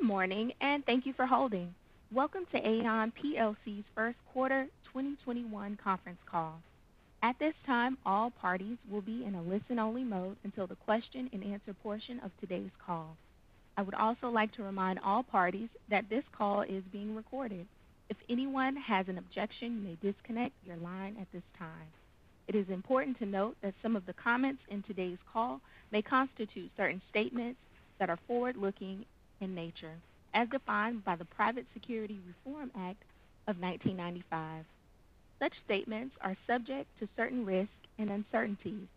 Good morning, and thank you for holding. Welcome to Aon plc's first quarter 2021 conference call. At this time, all parties will be in a listen-only mode until the question-and-answer portion of today's call. I would also like to remind all parties that this call is being recorded. If anyone has an objection, you may disconnect your line at this time. It is important to note that some of the comments in today's call may constitute certain statements that are forward-looking in nature, as defined by the Private Securities Litigation Reform Act of 1995. Such statements are subject to certain risks and uncertainties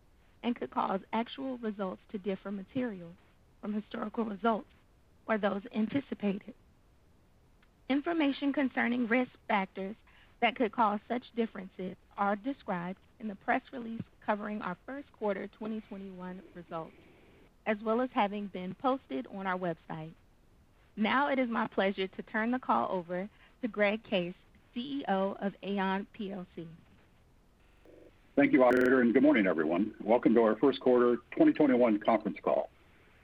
and could cause actual results to differ materially from historical results or those anticipated. Information concerning risk factors that could cause such differences are described in the press release covering our first quarter 2021 results, as well as having been posted on our website. Now it is my pleasure to turn the call over to Greg Case, CEO of Aon plc. Thank you, operator, and good morning, everyone. Welcome to our first quarter 2021 conference call.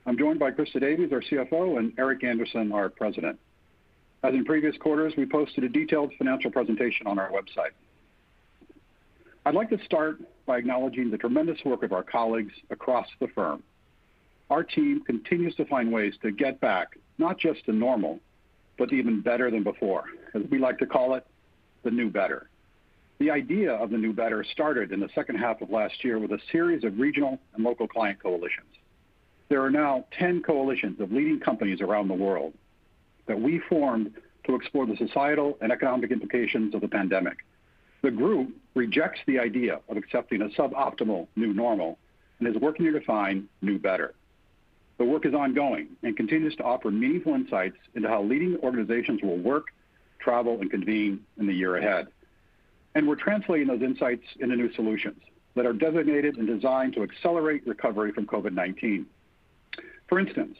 I'm joined by Christa Davies, our CFO, and Eric Andersen, our President. As in previous quarters, we posted a detailed financial presentation on our website. I'd like to start by acknowledging the tremendous work of our colleagues across the firm. Our team continues to find ways to get back not just to normal, but even better than before. As we like to call it, the new better. The idea of the new better started in the second half of last year with a series of regional and local client coalitions. There are now 10 coalitions of leading companies around the world that we formed to explore the societal and economic implications of the pandemic. The group rejects the idea of accepting a suboptimal new normal and is working to define new better. The work is ongoing and continues to offer meaningful insights into how leading organizations will work, travel, and convene in the year ahead. We're translating those insights into new solutions that are designated and designed to accelerate recovery from COVID-19. For instance,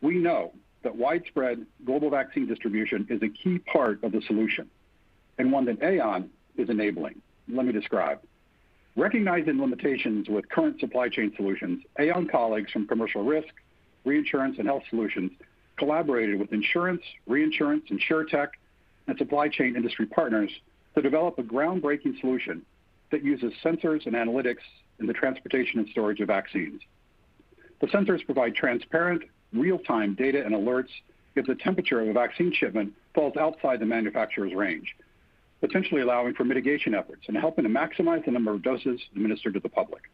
we know that widespread global vaccine distribution is a key part of the solution, and one that Aon is enabling. Let me describe. Recognizing limitations with current supply chain solutions, Aon colleagues from Commercial Risk, Reinsurance, and Health Solutions collaborated with insurance, reinsurance, insurtech, and supply chain industry partners to develop a groundbreaking solution that uses sensors and analytics in the transportation and storage of vaccines. The sensors provide transparent real-time data and alerts if the temperature of a vaccine shipment falls outside the manufacturer's range, potentially allowing for mitigation efforts and helping to maximize the number of doses administered to the public.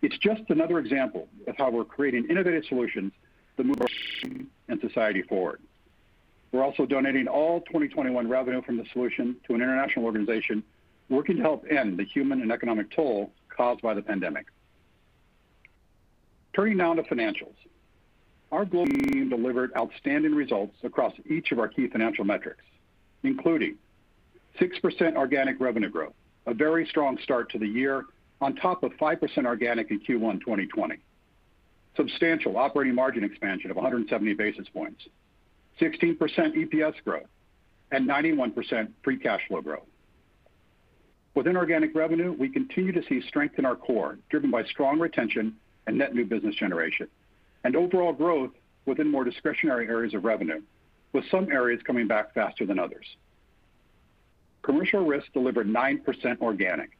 It's just another example of how we're creating innovative solutions that move our team and society forward. We're also donating all 2021 revenue from the solution to an international organization working to help end the human and economic toll caused by the pandemic. Turning now to financials. Our global team delivered outstanding results across each of our key financial metrics, including 6% organic revenue growth, a very strong start to the year on top of 5% organic in Q1 2020, substantial operating margin expansion of 170 basis points, 16% EPS growth, and 91% free cash flow growth. Within organic revenue, we continue to see strength in our core, driven by strong retention and net new business generation, and overall growth within more discretionary areas of revenue, with some areas coming back faster than others. Commercial Risk delivered 9% organic,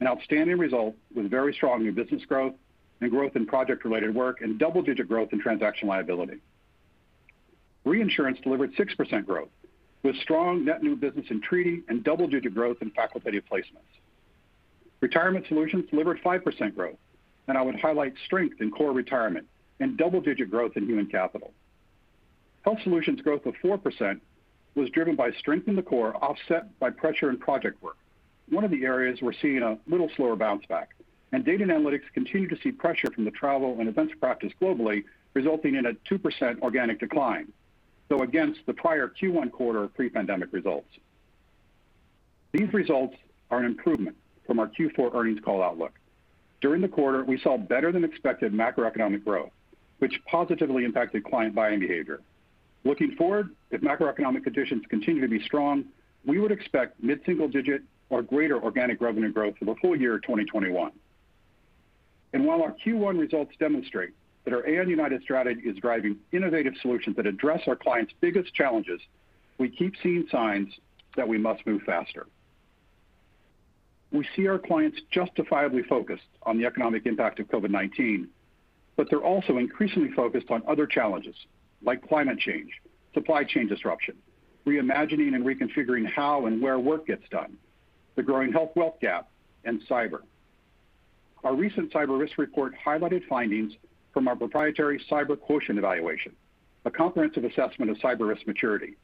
an outstanding result with very strong new business growth and growth in project-related work and double-digit growth in transaction liability. Reinsurance delivered 6% growth, with strong net new business in treaty and double-digit growth in facultative placements. Retirement Solutions delivered 5% growth, and I would highlight strength in core retirement and double-digit growth in human capital. Health Solutions growth of 4% was driven by strength in the core, offset by pressure in project work, one of the areas we're seeing a little slower bounce back. Data & Analytics continue to see pressure from the travel and events practice globally, resulting in a 2% organic decline, though against the prior Q1 quarter pre-pandemic results. These results are an improvement from our Q4 earnings call outlook. During the quarter, we saw better-than-expected macroeconomic growth, which positively impacted client buying behavior. Looking forward, if macroeconomic conditions continue to be strong, we would expect mid-single-digit or greater organic revenue growth for the full year 2021. While our Q1 results demonstrate that our Aon United strategy is driving innovative solutions that address our clients' biggest challenges, we keep seeing signs that we must move faster. We see our clients justifiably focused on the economic impact of COVID-19, they're also increasingly focused on other challenges like climate change, supply chain disruption, reimagining and reconfiguring how and where work gets done, the growing health-wealth gap, and cyber. Our recent cyber risk report highlighted findings from our proprietary Cyber Quotient Evaluation, a comprehensive assessment of cyber risk maturity.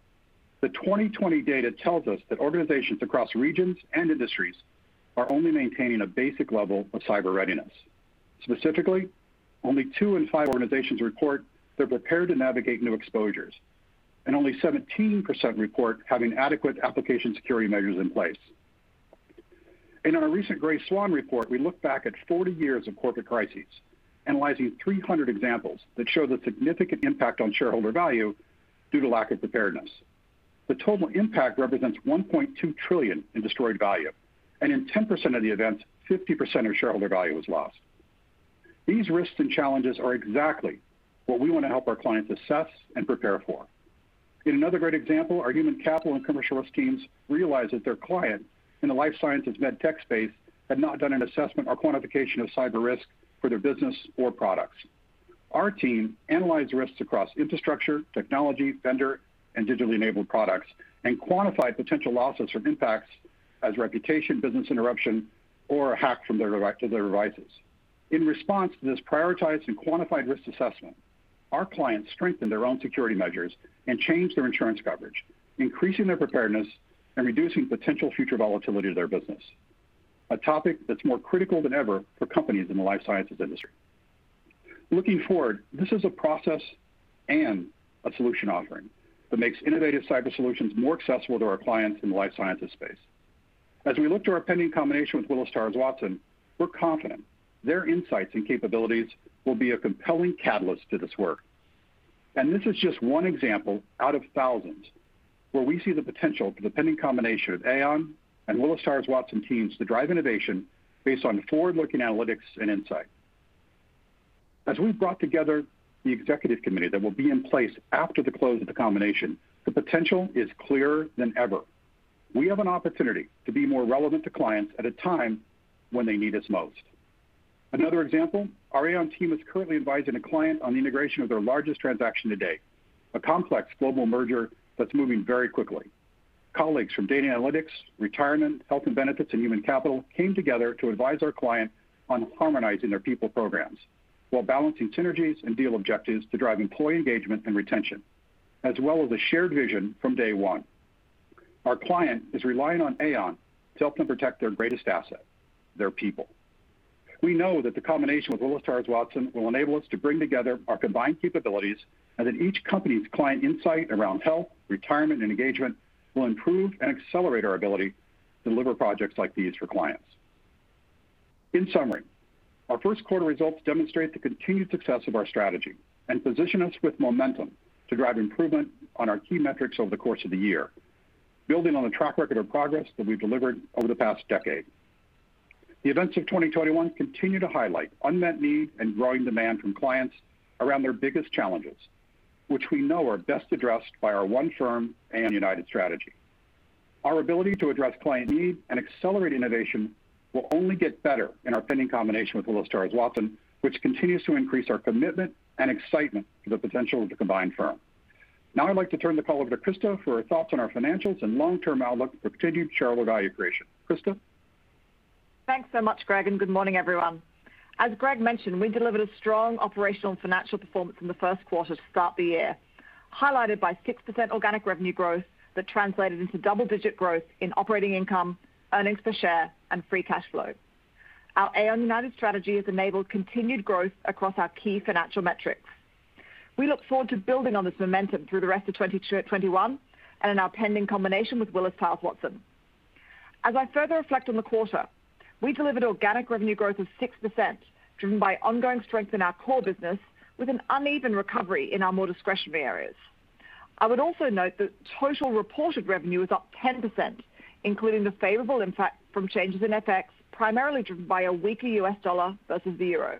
The 2020 data tells us that organizations across regions and industries are only maintaining a basic level of cyber readiness. Specifically, only two in five organizations report they're prepared to navigate new exposures, and only 17% report having adequate application security measures in place. In our recent Grey Swan report, we looked back at 40 years of corporate crises, analyzing 300 examples that show the significant impact on shareholder value due to lack of preparedness. The total impact represents $1.2 trillion in destroyed value, and in 10% of the events, 50% of shareholder value was lost. These risks and challenges are exactly what we want to help our clients assess and prepare for. In another great example, our human capital and Commercial Risk teams realized that their client in the life sciences medtech space had not done an assessment or quantification of cyber risk for their business or products. Our team analyzed risks across infrastructure, technology, vendor, and digitally enabled products and quantified potential losses or impacts as reputation, business interruption, or a hack to their devices. In response to this prioritized and quantified risk assessment, our clients strengthened their own security measures and changed their insurance coverage, increasing their preparedness and reducing potential future volatility to their business, a topic that's more critical than ever for companies in the life sciences industry. Looking forward, this is a process and a solution offering that makes innovative cyber solutions more accessible to our clients in the life sciences space. As we look to our pending combination with Willis Towers Watson, we're confident their insights and capabilities will be a compelling catalyst to this work. This is just one example out of thousands where we see the potential for the pending combination of Aon and Willis Towers Watson teams to drive innovation based on forward-looking analytics and insight. As we've brought together the executive committee that will be in place after the close of the combination, the potential is clearer than ever. We have an opportunity to be more relevant to clients at a time when they need us most. Another example, our Aon team is currently advising a client on the integration of their largest transaction to date, a complex global merger that's moving very quickly. Colleagues from data analytics, retirement, health and benefits, and human capital came together to advise our client on harmonizing their people programs while balancing synergies and deal objectives to drive employee engagement and retention, as well as a shared vision from day one. Our client is relying on Aon to help them protect their greatest asset, their people. We know that the combination with Willis Towers Watson will enable us to bring together our combined capabilities, and that each company's client insight around health, retirement, and engagement will improve and accelerate our ability to deliver projects like these for clients. In summary, our first quarter results demonstrate the continued success of our strategy and position us with momentum to drive improvement on our key metrics over the course of the year, building on the track record of progress that we've delivered over the past decade. The events of 2021 continue to highlight unmet need and growing demand from clients around their biggest challenges, which we know are best addressed by our one firm and United strategy. Our ability to address client need and accelerate innovation will only get better in our pending combination with Willis Towers Watson, which continues to increase our commitment and excitement for the potential of the combined firm. Now I'd like to turn the call over to Christa for her thoughts on our financials and long-term outlook for continued shareholder value creation. Christa? Thanks so much, Greg. Good morning, everyone. As Greg mentioned, we delivered a strong operational and financial performance in the first quarter to start the year, highlighted by 6% organic revenue growth that translated into double-digit growth in operating income, earnings per share, and free cash flow. Our Aon United strategy has enabled continued growth across our key financial metrics. We look forward to building on this momentum through the rest of 2021 and in our pending combination with Willis Towers Watson. As I further reflect on the quarter, we delivered organic revenue growth of 6%, driven by ongoing strength in our core business with an uneven recovery in our more discretionary areas. I would also note that total reported revenue is up 10%, including the favorable impact from changes in FX, primarily driven by a weaker U.S. dollar versus the euro.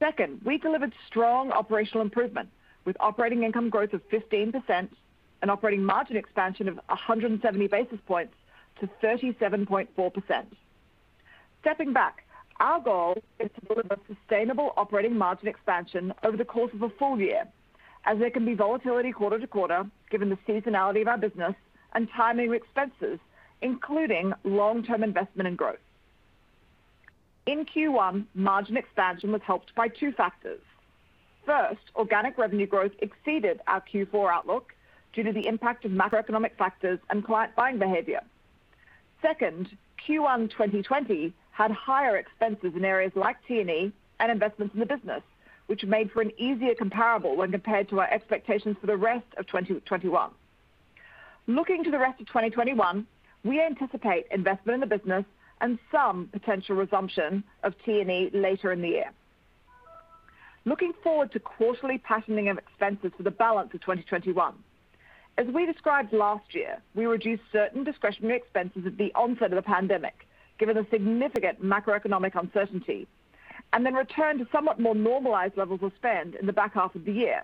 Second, we delivered strong operational improvement with operating income growth of 15% and operating margin expansion of 170 basis points to 37.4%. Stepping back, our goal is to build a sustainable operating margin expansion over the course of a full year, as there can be volatility quarter to quarter given the seasonality of our business and timing of expenses, including long-term investment and growth. In Q1, margin expansion was helped by two factors. First, organic revenue growth exceeded our Q4 outlook due to the impact of macroeconomic factors and client buying behavior. Second, Q1 2020 had higher expenses in areas like T&E and investments in the business, which made for an easier comparable when compared to our expectations for the rest of 2021. Looking to the rest of 2021, we anticipate investment in the business and some potential resumption of T&E later in the year. Looking forward to quarterly patterning of expenses for the balance of 2021. As we described last year, we reduced certain discretionary expenses at the onset of the pandemic, given the significant macroeconomic uncertainty, and then returned to somewhat more normalized levels of spend in the back half of the year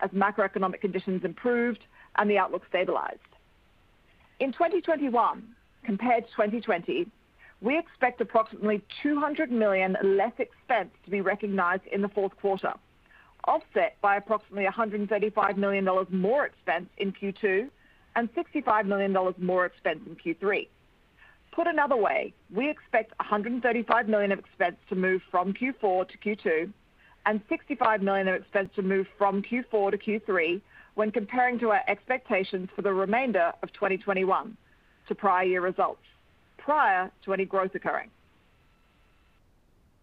as macroeconomic conditions improved and the outlook stabilized. In 2021 compared to 2020, we expect approximately $200 million less expense to be recognized in the fourth quarter, offset by approximately $135 million more expense in Q2 and $65 million more expense in Q3. Put another way, we expect $135 million of expense to move from Q4 to Q2 and $65 million of expense to move from Q4 to Q3 when comparing to our expectations for the remainder of 2021 to prior year results prior to any growth occurring.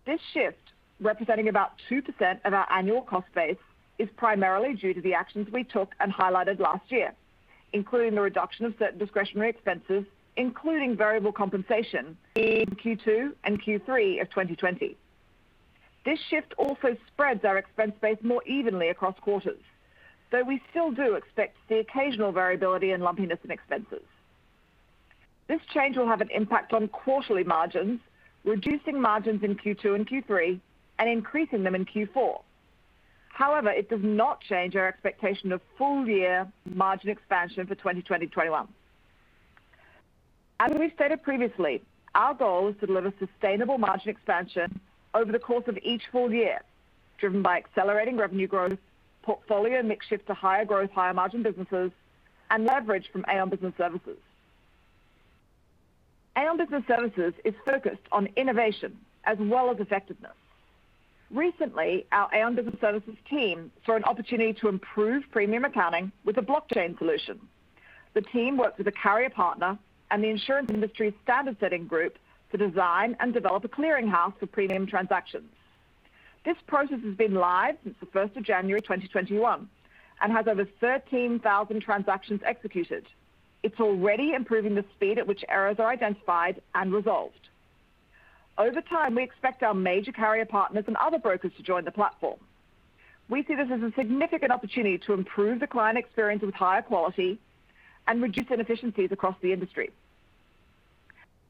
This shift, representing about 2% of our annual cost base, is primarily due to the actions we took and highlighted last year, including the reduction of certain discretionary expenses, including variable compensation in Q2 and Q3 of 2020. This shift also spreads our expense base more evenly across quarters, though we still do expect the occasional variability and lumpiness in expenses. This change will have an impact on quarterly margins, reducing margins in Q2 and Q3 and increasing them in Q4. However, it does not change our expectation of full-year margin expansion for 2020, 2021. As we stated previously, our goal is to deliver sustainable margin expansion over the course of each full year, driven by accelerating revenue growth, portfolio mix shift to higher growth, higher-margin businesses, and leverage from Aon Business Services. Aon Business Services is focused on innovation as well as effectiveness. Recently, our Aon Business Services team saw an opportunity to improve premium accounting with a blockchain solution. The team worked with a carrier partner and the insurance industry standard-setting group to design and develop a clearinghouse for premium transactions. This process has been live since the 1st of January 2021 and has over 13,000 transactions executed. It's already improving the speed at which errors are identified and resolved. Over time, we expect our major carrier partners and other brokers to join the platform. We see this as a significant opportunity to improve the client experience with higher quality and reduce inefficiencies across the industry.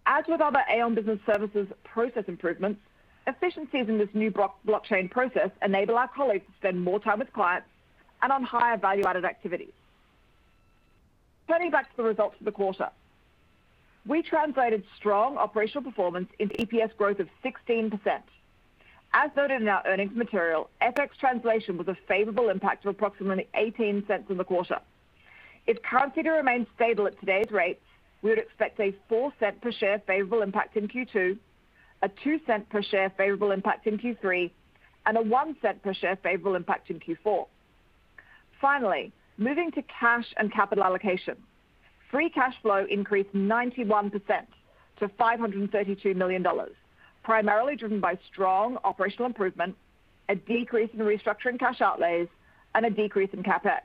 As with other Aon Business Services process improvements, efficiencies in this new blockchain process enable our colleagues to spend more time with clients and on higher-value-added activities. Turning back to the results for the quarter. We translated strong operational performance into EPS growth of 16%. As noted in our earnings material, FX translation was a favorable impact of approximately $0.18 in the quarter. If currency remains stable at today's rates, we would expect a $0.04 per share favorable impact in Q2, a $0.02 per share favorable impact in Q3, and a $0.01 per share favorable impact in Q4. Moving to cash and capital allocation. Free cash flow increased 91% to $532 million, primarily driven by strong operational improvement, a decrease in the restructuring cash outlays, and a decrease in CapEx.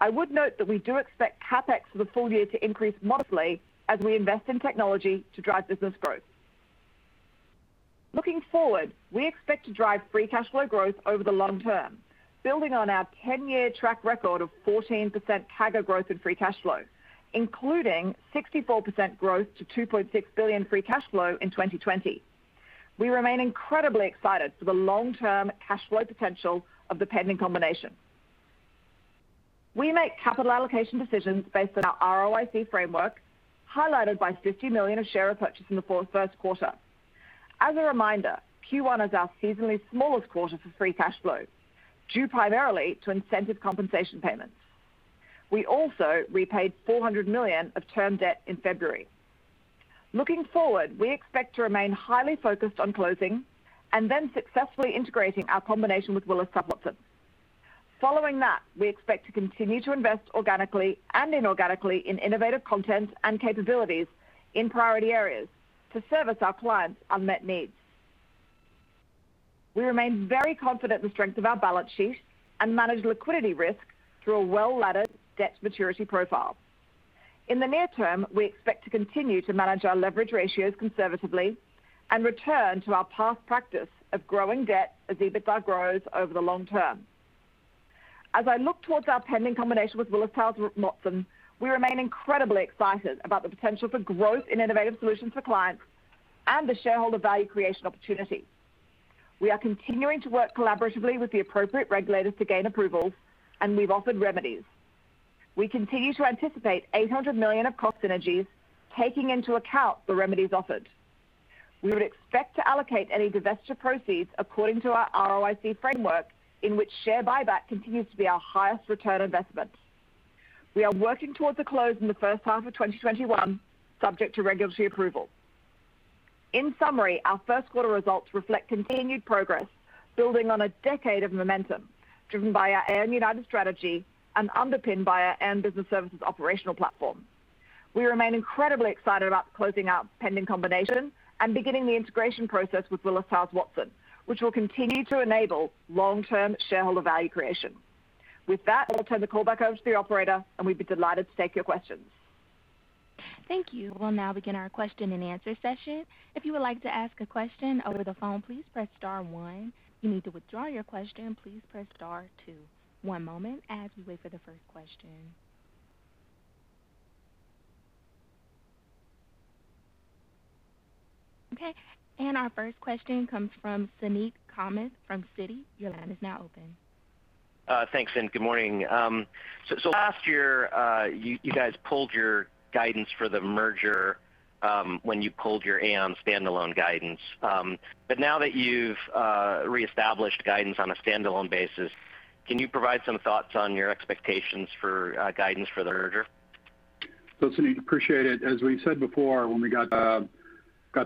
I would note that we do expect CapEx for the full year to increase modestly as we invest in technology to drive business growth. Looking forward, we expect to drive free cash flow growth over the long term, building on our 10-year track record of 14% CAGR growth in free cash flow, including 64% growth to $2.6 billion free cash flow in 2020. We remain incredibly excited for the long-term cash flow potential of the pending combination. We make capital allocation decisions based on our ROIC framework, highlighted by $50 million of share repurchase in the first quarter. As a reminder, Q1 is our seasonally smallest quarter for free cash flow, due primarily to incentive compensation payments. We also repaid $400 million of term debt in February. Looking forward, we expect to remain highly focused on closing and then successfully integrating our combination with Willis Towers Watson. Following that, we expect to continue to invest organically and inorganically in innovative content and capabilities in priority areas to service our clients' unmet needs. We remain very confident in the strength of our balance sheet and manage liquidity risk through a well-laddered debt maturity profile. In the near term, we expect to continue to manage our leverage ratios conservatively and return to our past practice of growing debt as EBITDA grows over the long term. As I look towards our pending combination with Willis Towers Watson, we remain incredibly excited about the potential for growth in innovative solutions for clients and the shareholder value creation opportunity. We are continuing to work collaboratively with the appropriate regulators to gain approvals, and we've offered remedies. We continue to anticipate $800 million of cost synergies taking into account the remedies offered. We would expect to allocate any divesture proceeds according to our ROIC framework, in which share buyback continues to be our highest return investment. We are working towards a close in the first half of 2021, subject to regulatory approval. In summary, our first quarter results reflect continued progress, building on a decade of momentum driven by our Aon United strategy and underpinned by our Aon Business Services operational platform. We remain incredibly excited about closing our pending combination and beginning the integration process with Willis Towers Watson, which will continue to enable long-term shareholder value creation. With that, I'll turn the call back over to the operator, and we'd be delighted to take your questions. Thank you. We'll now begin our question-and-answer session. If you would like to ask a question over the phone, please press star one. If you need to withdraw your question, please press star two. One moment as we wait for the first question. Okay, our first question comes from Suneet Kamath from Citi. Your line is now open. Thanks, good morning. Last year, you guys pulled your guidance for the merger when you pulled your Aon standalone guidance. Now that you've reestablished guidance on a standalone basis, can you provide some thoughts on your expectations for guidance for the merger? Suneet, appreciate it. As we've said before, when we got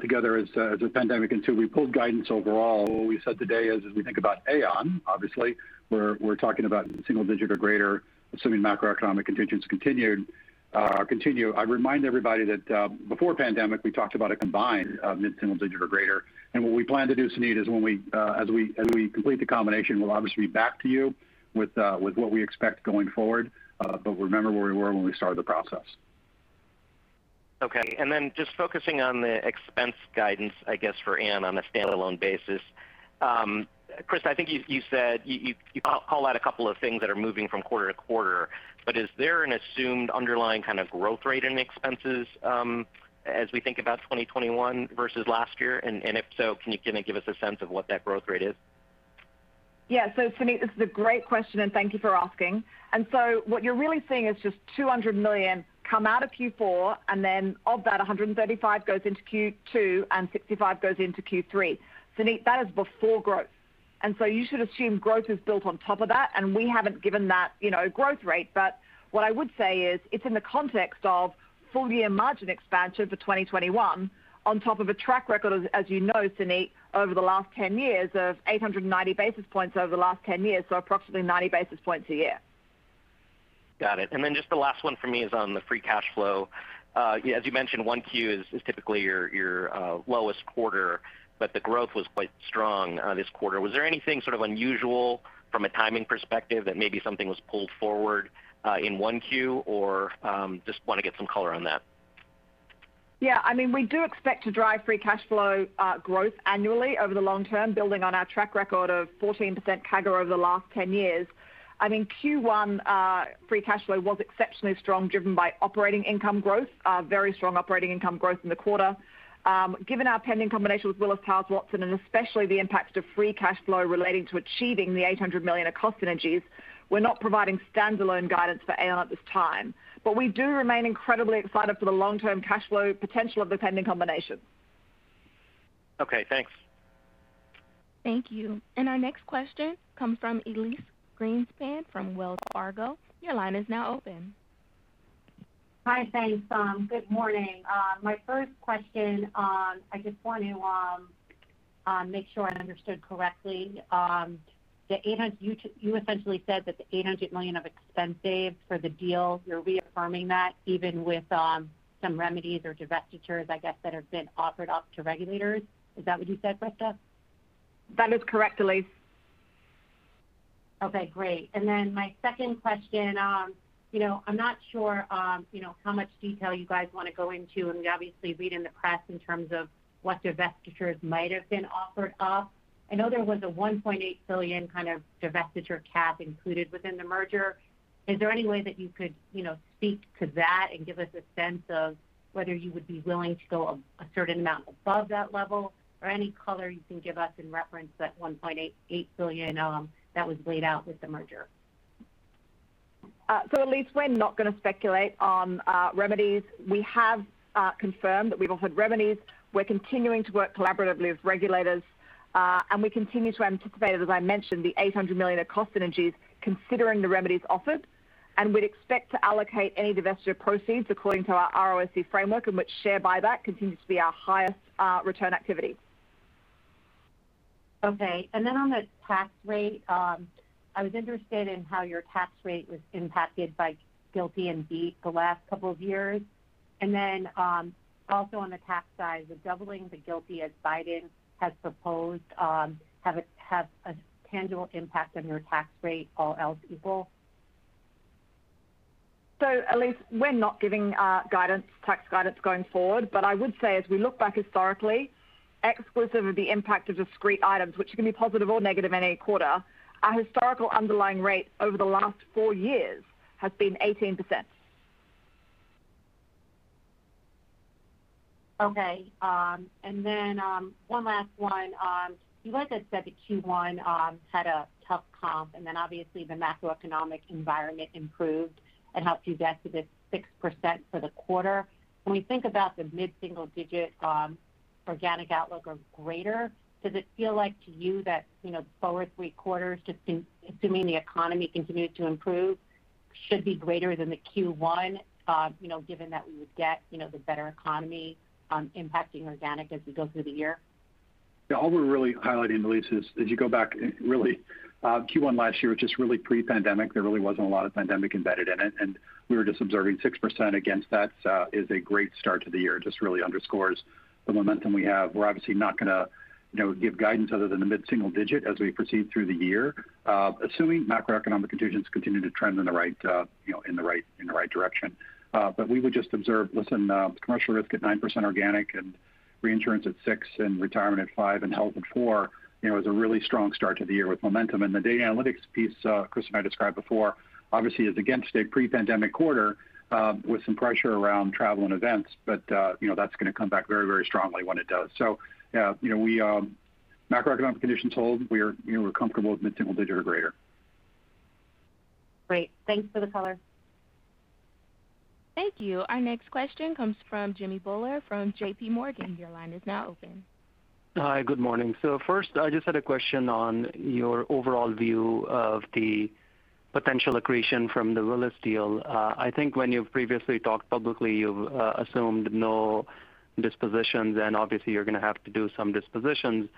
together as the pandemic ensued, we pulled guidance overall. What we said today is, as we think about Aon, obviously we're talking about single digit or greater assuming macroeconomic conditions continue. I remind everybody that before pandemic, we talked about a combined mid-single digit or greater. What we plan to do, Suneet, is as we complete the combination, we'll obviously be back to you with what we expect going forward. Remember where we were when we started the process. Okay. Just focusing on the expense guidance, I guess, for Aon on a standalone basis. Christa, I think you called out a couple of things that are moving from quarter to quarter, is there an assumed underlying kind of growth rate in expenses as we think about 2021 versus last year? If so, can you kind of give us a sense of what that growth rate is? Suneet, this is a great question, and thank you for asking. What you're really seeing is just $200 million come out of Q4. Of that, $135 million goes into Q2, and $65 million goes into Q3. Suneet, that is before growth. You should assume growth is built on top of that, and we haven't given that growth rate. What I would say is it's in the context of full-year margin expansion for 2021 on top of a track record, as you know, Suneet, over the last 10 years of 890 basis points over the last 10 years. Approximately 90 basis points a year. Got it. Just the last one for me is on the free cash flow. As you mentioned, 1Q is typically your lowest quarter, the growth was quite strong this quarter. Was there anything sort of unusual from a timing perspective that maybe something was pulled forward in 1Q, just want to get some color on that? Yeah, we do expect to drive free cash flow growth annually over the long term, building on our track record of 14% CAGR over the last 10 years. I think Q1 free cash flow was exceptionally strong, driven by operating income growth, very strong operating income growth in the quarter. Given our pending combination with Willis Towers Watson, and especially the impacts to free cash flow relating to achieving the $800 million of cost synergies, we're not providing standalone guidance for Aon at this time. We do remain incredibly excited for the long-term cash flow potential of the pending combination. Okay, thanks. Thank you. Our next question comes from Elyse Greenspan from Wells Fargo. Hi, thanks. Good morning. My first question, I just want to make sure I understood correctly. You essentially said that the $800 million of expense saves for the deal, you're reaffirming that even with some remedies or divestitures, I guess, that have been offered up to regulators. Is that what you said, Christa? That is correct, Elyse. Okay, great. My second question. I am not sure how much detail you guys want to go into. We obviously read in the press in terms of what divestitures might have been offered up. I know there was a $1.8 billion kind of divestiture cap included within the merger. Is there any way that you could speak to that and give us a sense of whether you would be willing to go a certain amount above that level or any color you can give us in reference to that $1.8 billion that was laid out with the merger? Elyse, we're not going to speculate on remedies. We have confirmed that we've offered remedies. We're continuing to work collaboratively with regulators. We continue to anticipate, as I mentioned, the $800 million of cost synergies considering the remedies offered. We'd expect to allocate any divestiture proceeds according to our ROIC framework, in which share buyback continues to be our highest return activity. Okay. On the tax rate, I was interested in how your tax rate was impacted by GILTI and BEAT the last couple of years. Also on the tax side, would doubling the GILTI as Biden has proposed, have a tangible impact on your tax rate, all else equal? Elyse, we're not giving tax guidance going forward, but I would say as we look back historically, exclusive of the impact of discrete items, which can be positive or negative in any quarter, our historical underlying rate over the last four years has been 18%. Okay. One last one. You guys had said that Q1 had a tough comp, obviously the macroeconomic environment improved. It helped you get to the 6% for the quarter. When we think about the mid-single-digit organic outlook or greater, does it feel like to you that forward three quarters, assuming the economy continues to improve, should be greater than the Q1, given that we would get the better economy impacting organic as we go through the year? Yeah, all we're really highlighting, Elyse, is as you go back really Q1 last year was just really pre-pandemic. There really wasn't a lot of pandemic embedded in it. We were just observing 6% against that is a great start to the year. It just really underscores the momentum we have. We're obviously not going to give guidance other than the mid-single digit as we proceed through the year, assuming macroeconomic conditions continue to trend in the right direction. We would just observe, listen, Commercial Risk at 9% organic and Reinsurance at 6% and Retirement at 5% and Health at 4% is a really strong start to the year with momentum. The Data & Analytics piece Christa and I described before obviously is against a pre-pandemic quarter with some pressure around travel and events. That's going to come back very strongly when it does. Macroeconomic conditions hold, we're comfortable with mid-single digit or greater. Great. Thanks for the color. Thank you. Our next question comes from Jimmy Bhullar from JPMorgan. Your line is now open. Hi, good morning. First, I just had a question on your overall view of the potential accretion from the Willis deal. I think when you've previously talked publicly, you've assumed no dispositions, obviously you're going to have to do some dispositions,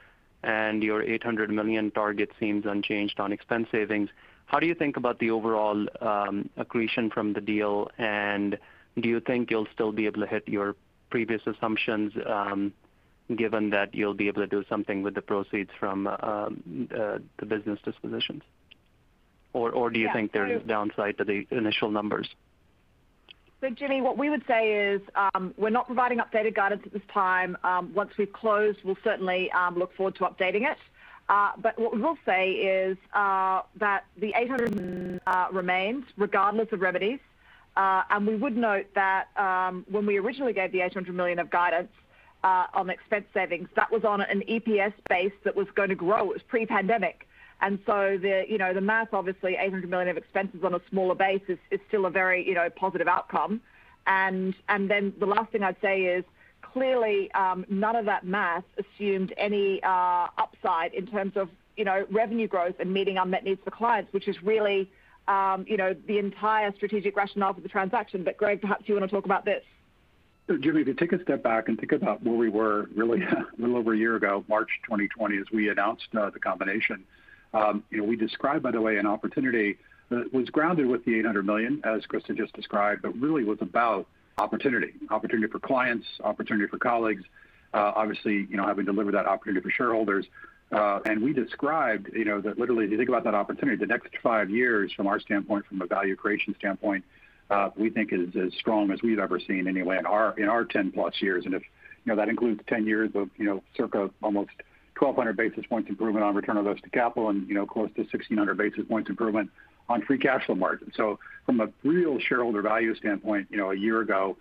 your $800 million target seems unchanged on expense savings. How do you think about the overall accretion from the deal? Do you think you'll still be able to hit your previous assumptions given that you'll be able to do something with the proceeds from the business dispositions? Or do you think there is downside to the initial numbers? Jimmy, what we would say is, we're not providing updated guidance at this time. Once we've closed, we'll certainly look forward to updating it. What we will say is that the $800 million remains regardless of remedies. We would note that when we originally gave the $800 million of guidance on expense savings, that was on an EPS base that was going to grow. It was pre-pandemic. The math, obviously $800 million of expenses on a smaller base is still a very positive outcome. The last thing I'd say is clearly, none of that math assumed any upside in terms of revenue growth and meeting unmet needs for clients, which is really the entire strategic rationale for the transaction. Greg, perhaps you want to talk about this. Jimmy, to take a step back and think about where we were really a little over a year ago, March 2020, as we announced the combination. We described, by the way, an opportunity that was grounded with the $800 million, as Christa just described, but really was about opportunity. Opportunity for clients, opportunity for colleagues. Obviously, having delivered that opportunity for shareholders. We described that literally, if you think about that opportunity, the next five years from our standpoint, from a value creation standpoint, we think is as strong as we've ever seen anyway in our 10+ years. That includes 10 years of circa almost 1,200 basis points improvement on return on invested capital and close to 1,600 basis points improvement on free cash flow margin. From a real shareholder value standpoint a year ago,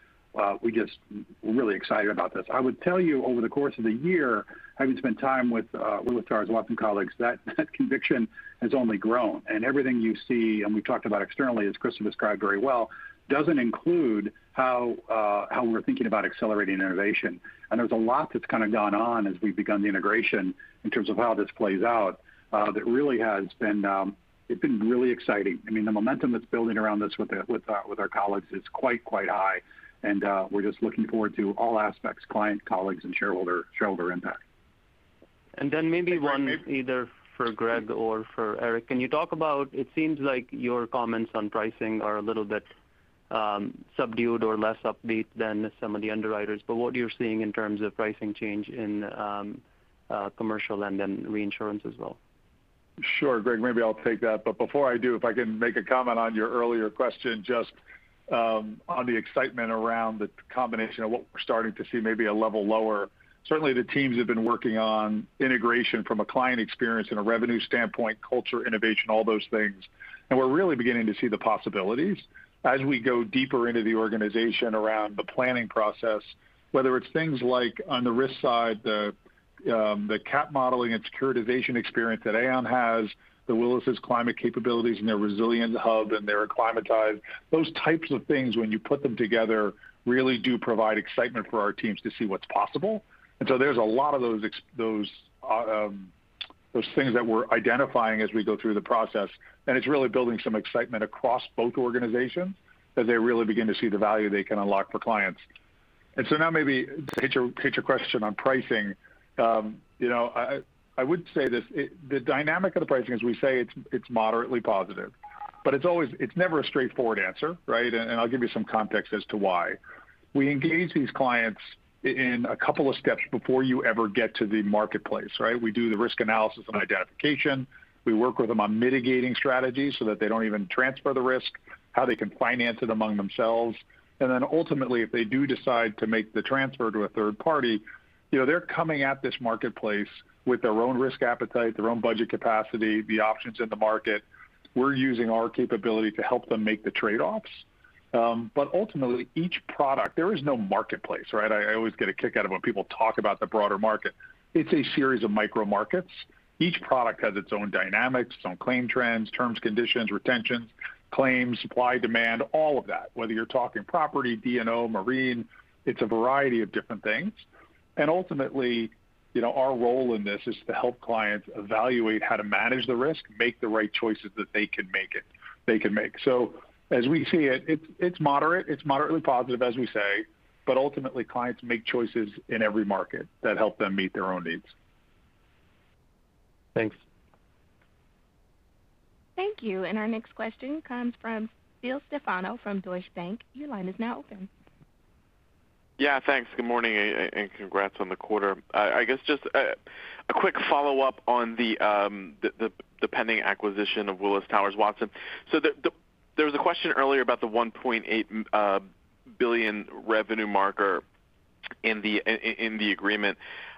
we're just really excited about this. I would tell you over the course of the year, having spent time with Willis Towers Watson colleagues, that conviction has only grown. Everything you see, and we've talked about externally, as Christa described very well, doesn't include how we're thinking about accelerating innovation. There's a lot that's gone on as we've begun the integration in terms of how this plays out that really has been really exciting. The momentum that's building around this with our colleagues is quite high and we're just looking forward to all aspects, client, colleagues, and shareholder impact. Maybe one either for Greg or for Eric. Can you talk about, it seems like your comments on pricing are a little bit subdued or less upbeat than some of the underwriters, what you're seeing in terms of pricing change in Commercial and then Reinsurance as well? Sure. Greg, maybe I'll take that, but before I do, if I can make a comment on your earlier question, just on the excitement around the combination of what we're starting to see maybe a level lower. Certainly, the teams have been working on integration from a client experience and a revenue standpoint, culture, innovation, all those things. We're really beginning to see the possibilities as we go deeper into the organization around the planning process, whether it's things like on the risk side, the cat modeling and securitization experience that Aon has, the Willis' climate capabilities and their Resilience Hub, and their Acclimatise. Those types of things, when you put them together, really do provide excitement for our teams to see what's possible. There's a lot of those things that we're identifying as we go through the process, and it's really building some excitement across both organizations as they really begin to see the value they can unlock for clients. Now maybe to hit your question on pricing. I would say this, the dynamic of the pricing, as we say, it's moderately positive. It's never a straightforward answer, right? I'll give you some context as to why. We engage these clients in a couple of steps before you ever get to the marketplace, right? We do the risk analysis and identification. We work with them on mitigating strategies so that they don't even transfer the risk, how they can finance it among themselves. Ultimately, if they do decide to make the transfer to a third party, they're coming at this marketplace with their own risk appetite, their own budget capacity, the options in the market. We're using our capability to help them make the trade-offs. Ultimately, each product, there is no marketplace, right? I always get a kick out of when people talk about the broader market. It's a series of micro markets. Each product has its own dynamics, its own claim trends, terms, conditions, retentions, claims, supply, demand, all of that. Whether you're talking property, D&O, marine, it's a variety of different things. Ultimately, our role in this is to help clients evaluate how to manage the risk, make the right choices that they can make. As we see it's moderate. It's moderately positive, as we say, but ultimately, clients make choices in every market that help them meet their own needs. Thanks. Thank you. Our next question comes from Phil Stefano from Deutsche Bank. Your line is now open. Yeah, thanks. Good morning, and congrats on the quarter. I guess just a quick follow-up on the pending acquisition of Willis Towers Watson. There was a question earlier about the $1.8 billion revenue marker in the agreement.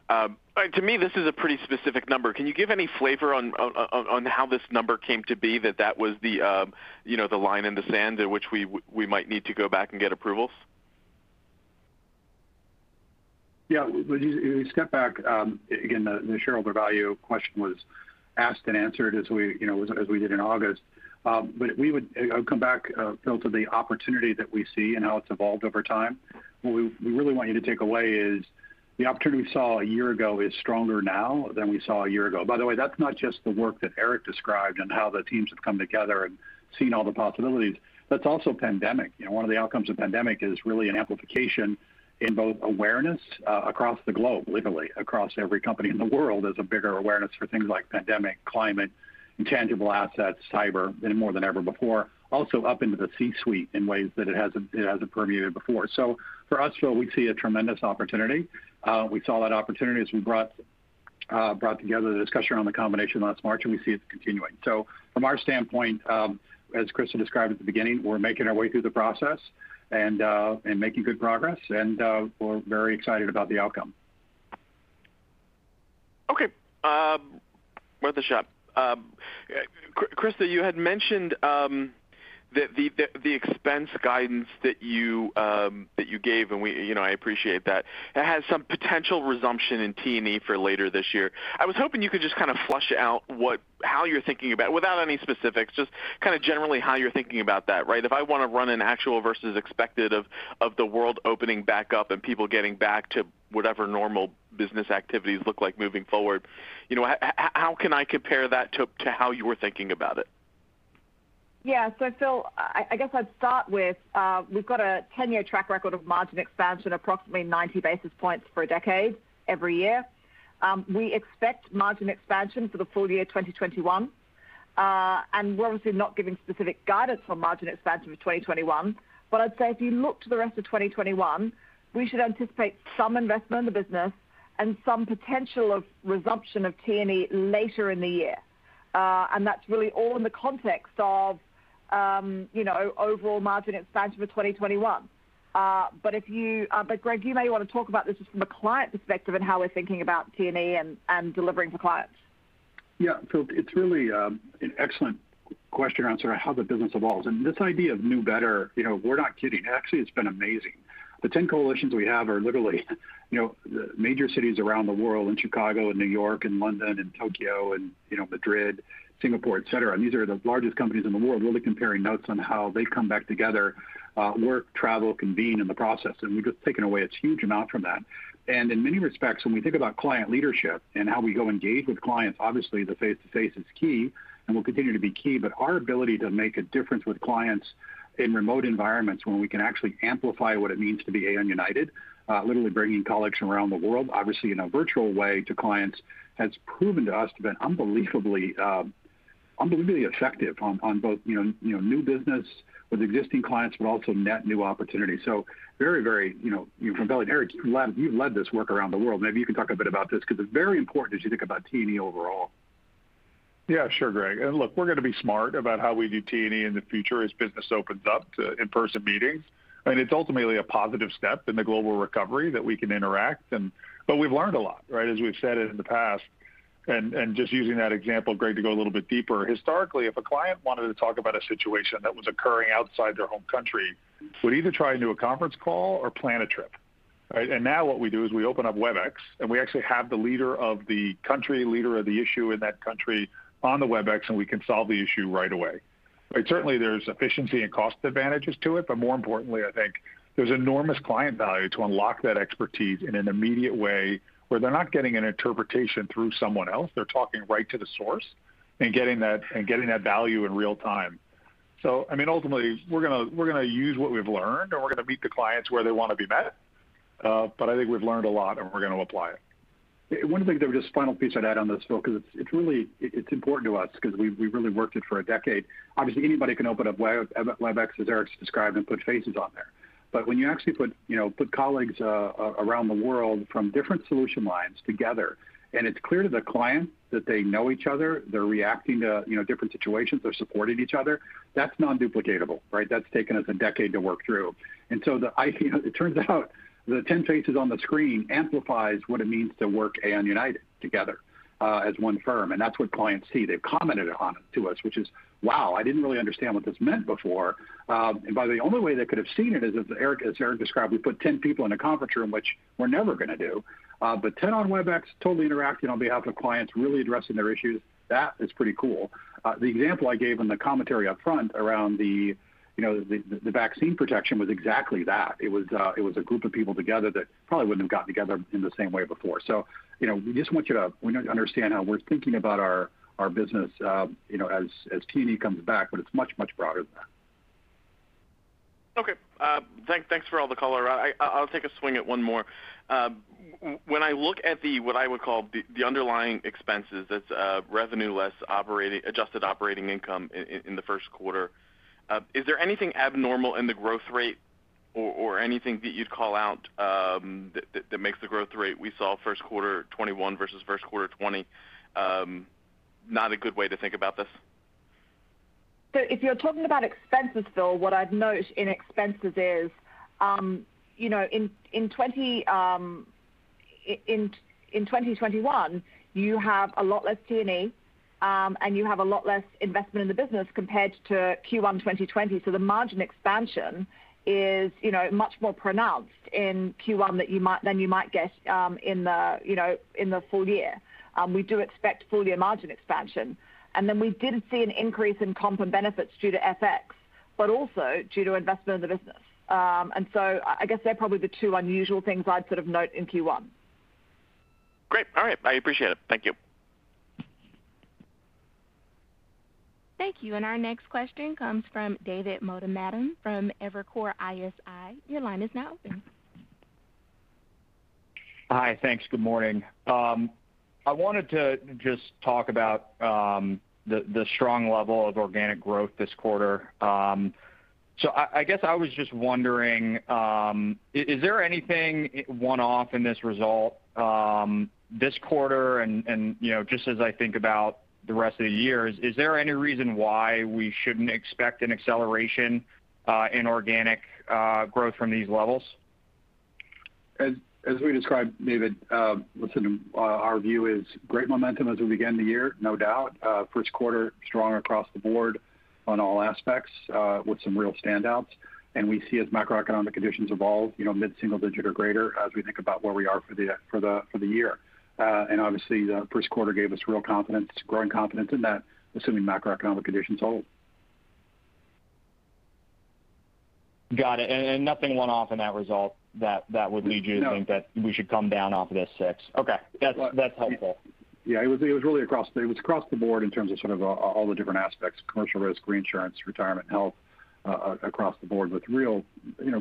To me, this is a pretty specific number. Can you give any flavor on how this number came to be that that was the line in the sand at which we might need to go back and get approvals? Yeah. We step back, again, the shareholder value question was asked and answered as we did in August. We would come back, Phil, to the opportunity that we see and how it's evolved over time. What we really want you to take away is the opportunity we saw a year ago is stronger now than we saw a year ago. By the way, that's not just the work that Eric described and how the teams have come together and seen all the possibilities. That's also pandemic. One of the outcomes of pandemic is really an amplification in both awareness across the globe, literally across every company in the world. There's a bigger awareness for things like pandemic, climate, intangible assets, cyber, more than ever before. Also up into the C-suite in ways that it hasn't permeated before. For us, Phil, we see a tremendous opportunity. We saw that opportunity as we brought together the discussion around the combination last March, and we see it continuing. From our standpoint, as Christa described at the beginning, we're making our way through the process and making good progress, and we're very excited about the outcome. Okay. Worth a shot. Christa, you had mentioned that the expense guidance that you gave, and I appreciate that has some potential resumption in T&E for later this year. I was hoping you could just flesh out how you're thinking about, without any specifics, just generally how you're thinking about that. If I want to run an actual versus expected of the world opening back up and people getting back to whatever normal business activities look like moving forward, how can I compare that to how you were thinking about it? Phil, I guess I'd start with, we've got a 10-year track record of margin expansion, approximately 90 basis points for a decade, every year. We expect margin expansion for the full year 2021. We're obviously not giving specific guidance for margin expansion for 2021. I'd say if you look to the rest of 2021, we should anticipate some investment in the business and some potential of resumption of T&E later in the year. That's really all in the context of overall margin expansion for 2021. Greg, you may want to talk about this just from the client perspective and how we're thinking about T&E and delivering for clients. Yeah. Phil, it's really an excellent question around sort of how the business evolves and this idea of new better. We're not kidding. Actually, it's been amazing. The 10 coalitions we have are literally major cities around the world in Chicago and New York and London and Tokyo and Madrid, Singapore, et cetera, and these are the largest companies in the world, really comparing notes on how they come back together, work, travel, convene in the process. We've just taken away a huge amount from that. In many respects, when we think about client leadership and how we go engage with clients, obviously the face-to-face is key and will continue to be key, but our ability to make a difference with clients in remote environments when we can actually amplify what it means to be Aon United, literally bringing colleagues from around the world, obviously in a virtual way, to clients, has proven to us to be unbelievably effective on both new business with existing clients, but also net new opportunities. Very, Eric, you've led this work around the world. Maybe you can talk a bit about this because it's very important as you think about T&E overall. Yeah. Sure, Greg. Look, we're going to be smart about how we do T&E in the future as business opens up to in-person meetings, and it's ultimately a positive step in the global recovery that we can interact. We've learned a lot. As we've said it in the past, just using that example, Greg, to go a little bit deeper, historically, if a client wanted to talk about a situation that was occurring outside their home country, we'd either try and do a conference call or plan a trip. Now what we do is we open up Webex, we actually have the leader of the country, leader of the issue in that country on the Webex, we can solve the issue right away. Certainly, there's efficiency and cost advantages to it. More importantly, I think there's enormous client value to unlock that expertise in an immediate way where they're not getting an interpretation through someone else. They're talking right to the source and getting that value in real time. Ultimately, we're going to use what we've learned, and we're going to meet the clients where they want to be met. I think we've learned a lot, and we're going to apply it. One of the things that, just a final piece I'd add on this, Phil, because it's important to us because we really worked it for a decade. Obviously, anybody can open up Webex, as Eric described, and put faces on there. When you actually put colleagues around the world from different solution lines together, and it's clear to the client that they know each other, they're reacting to different situations, they're supporting each other, that's non-duplicatable. That's taken us a decade to work through. It turns out the 10 faces on the screen amplifies what it means to work Aon United together as one firm, and that's what clients see. They've commented on it to us, which is, "Wow, I didn't really understand what this meant before." By the only way they could've seen it is, as Eric described, we put 10 people in a conference room, which we're never going to do. But 10 on Webex, totally interacting on behalf of clients, really addressing their issues, that is pretty cool. The example I gave in the commentary upfront around the vaccine protection was exactly that. It was a group of people together that probably wouldn't have got together in the same way before. We just want you to understand how we're thinking about our business as T&E comes back, but it's much, much broader than that. Okay. Thanks for all the color. I'll take a swing at one more. When I look at the, what I would call the underlying expenses, that's revenue less adjusted operating income in the first quarter, is there anything abnormal in the growth rate or anything that you'd call out that makes the growth rate we saw first quarter 2021 versus first quarter 2020 not a good way to think about this? If you're talking about expenses, Phil, what I'd note in expenses is, in 2021, you have a lot less T&E, and you have a lot less investment in the business compared to Q1 2020. The margin expansion is much more pronounced in Q1 than you might get in the full year. We do expect full-year margin expansion. We did see an increase in comp and benefits due to FX, but also due to investment in the business. I guess they're probably the two unusual things I'd sort of note in Q1. Great. All right. I appreciate it. Thank you. Thank you. Our next question comes from David Motemaden from Evercore ISI. Hi. Thanks. Good morning. I wanted to just talk about the strong level of organic growth this quarter. I guess I was just wondering, is there anything one-off in this result this quarter? Just as I think about the rest of the year, is there any reason why we shouldn't expect an acceleration in organic growth from these levels? As we described, David, listen, our view is great momentum as we begin the year, no doubt. First quarter strong across the board on all aspects, with some real standouts. We see as macroeconomic conditions evolve, mid-single digit or greater as we think about where we are for the year. Obviously, the first quarter gave us real confidence, growing confidence in that, assuming macroeconomic conditions hold. Got it. Nothing one-off in that result that would lead you to think that we should come down off of this 6%? No. Okay. That's helpful. It was across the board in terms of sort of all the different aspects, Commercial Risk, Reinsurance, Retirement, Health, across the board with real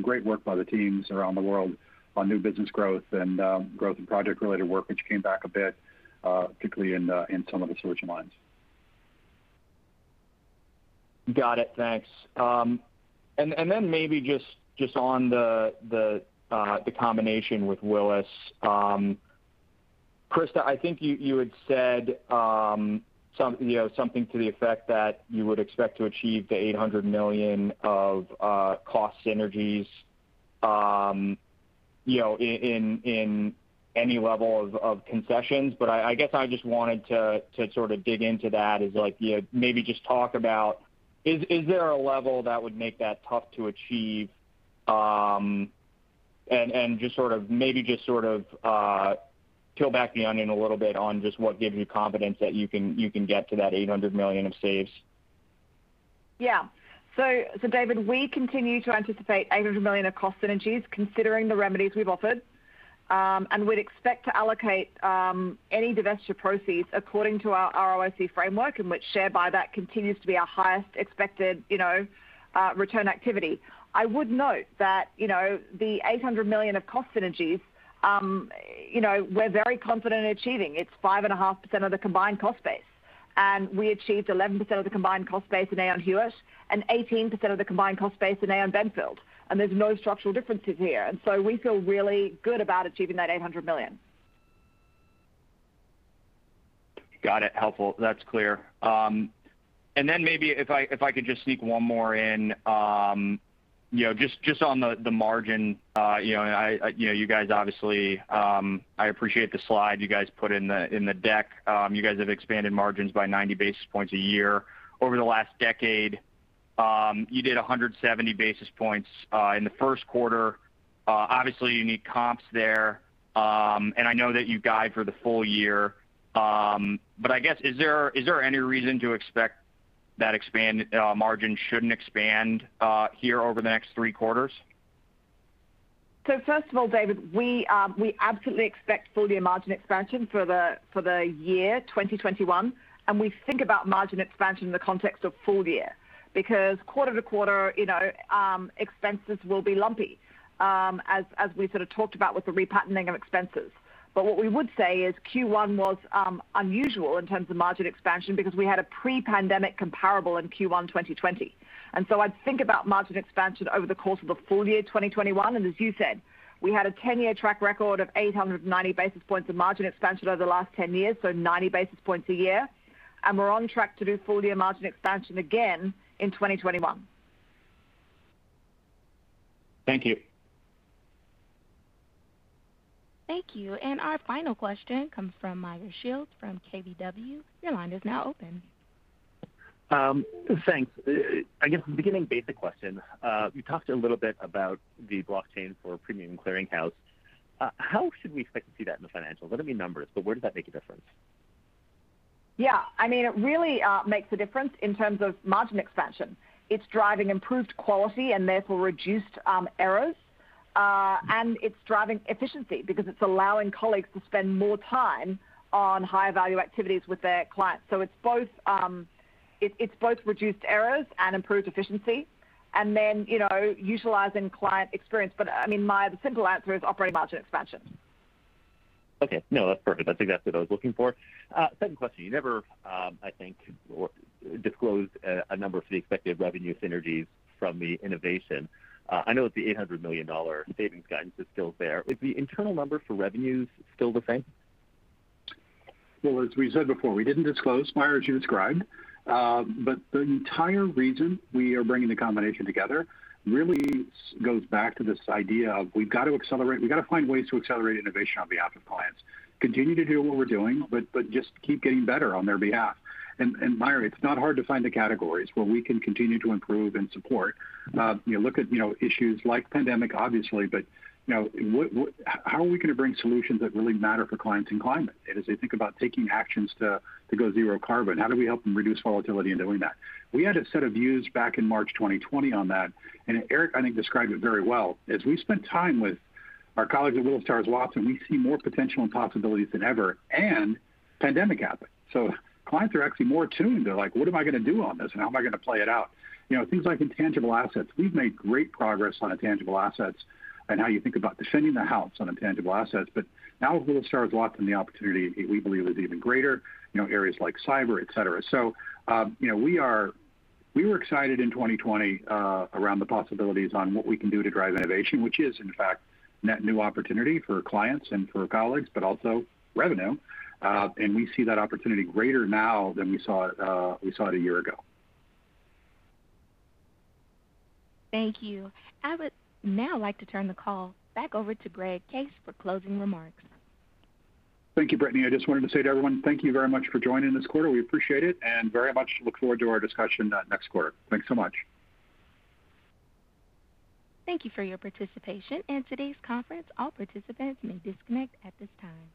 great work by the teams around the world on new business growth and growth in project-related work, which came back a bit, particularly in some of the shorter lines. Got it, thanks. Then maybe just on the combination with Willis. Christa, I think you had said something to the effect that you would expect to achieve the $800 million of cost synergies in any level of concessions, but I guess I just wanted to sort of dig into that, is like maybe just talk about is there a level that would make that tough to achieve? Maybe just sort of peel back the onion a little bit on just what gives you confidence that you can get to that $800 million of saves. Yeah. David, we continue to anticipate $800 million of cost synergies considering the remedies we've offered. We'd expect to allocate any divestiture proceeds according to our ROIC framework, in which share buyback continues to be our highest expected return activity. I would note that the $800 million of cost synergies, we're very confident in achieving. It's 5.5% of the combined cost base. We achieved 11% of the combined cost base in Aon Hewitt, and 18% of the combined cost base in Aon Benfield. There's no structural differences here. We feel really good about achieving that $800 million. Got it. Helpful. That's clear. Maybe if I could just sneak one more in. Just on the margin, you guys obviously, I appreciate the slide you guys put in the deck. You guys have expanded margins by 90 basis points a year over the last decade. You did 170 basis points in the first quarter. Obviously, you need comps there. I know that you guide for the full year. I guess, is there any reason to expect that margin shouldn't expand here over the next three quarters? First of all, David, we absolutely expect full-year margin expansion for the year 2021. We think about margin expansion in the context of full year, because quarter-to-quarter expenses will be lumpy, as we sort of talked about with the re-patterning of expenses. What we would say is Q1 was unusual in terms of margin expansion because we had a pre-pandemic comparable in Q1 2020. I'd think about margin expansion over the course of the full year 2021. As you said, we had a 10-year track record of 890 basis points of margin expansion over the last 10 years, so 90 basis points a year. We're on track to do full-year margin expansion again in 2021. Thank you. Thank you. Our final question comes from Meyer Shields from KBW. Your line is now open. Thanks. I guess beginning basic question, you talked a little bit about the blockchain for premium clearinghouse. How should we expect to see that in the financials? Doesn't have to be numbers, but where does that make a difference? Yeah. It really makes a difference in terms of margin expansion. It's driving improved quality and therefore reduced errors. It's driving efficiency because it's allowing colleagues to spend more time on higher-value activities with their clients. It's both reduced errors and improved efficiency. Utilizing client experience. Meyer, the simple answer is operating margin expansion. Okay. No, that's perfect. That's exactly what I was looking for. Second question. You never, I think disclosed a number for the expected revenue synergies from the innovation. I know that the $800 million savings guidance is still there. Is the internal number for revenues still the same? Well, as we said before, we didn't disclose, Meyer, as you described. The entire reason we are bringing the combination together really goes back to this idea of we've got to find ways to accelerate innovation on behalf of clients, continue to do what we're doing, but just keep getting better on their behalf. Meyer, it's not hard to find the categories where we can continue to improve and support. Look at issues like pandemic, obviously. Now, how are we going to bring solutions that really matter for clients in climate? As they think about taking actions to go zero carbon, how do we help them reduce volatility in doing that? We had a set of views back in March 2020 on that, and Eric, I think described it very well. As we spent time with our colleagues at Willis Towers Watson, we see more potential and possibilities than ever. Pandemic happened. Clients are actually more attuned. They're like, "What am I going to do on this? How am I going to play it out?" Things like intangible assets. We've made great progress on intangible assets and how you think about defending the house on intangible assets. Now with Willis Towers Watson, the opportunity we believe is even greater, areas like cyber, et cetera. We were excited in 2020 around the possibilities on what we can do to drive innovation, which is in fact net new opportunity for clients and for colleagues, but also revenue. We see that opportunity greater now than we saw it a year ago. Thank you. I would now like to turn the call back over to Greg Case for closing remarks. Thank you, Brittany. I just wanted to say to everyone, thank you very much for joining this quarter. We appreciate it and very much look forward to our discussion next quarter. Thanks so much. Thank you for your participation in today's conference. All participants may disconnect at this time.